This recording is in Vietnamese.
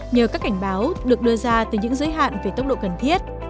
nhờ các cảnh báo được đưa ra từ những giới hạn về tốc độ cần thiết